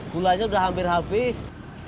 gulanya udah hampir habis